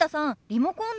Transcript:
リモコン